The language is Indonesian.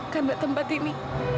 karena tempat ini